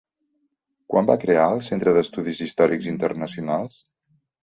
Quan va crear el Centre d'Estudis Històrics Internacionals?